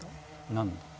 何だ？